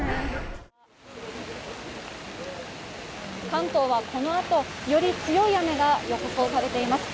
関東はこのあと、より強い雨が予想されています。